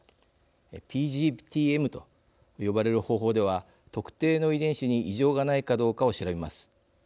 ＰＧＴ−Ｍと呼ばれる方法では特定の遺伝子に異常がないかどうかを調べます。